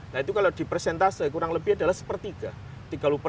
nah itu kalau di persentase kurang lebih adalah sepertiga